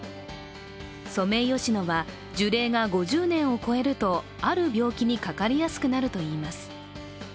ソメイヨシノは樹齢が５０年を超えるとある病気にかかりやすくなるといいます。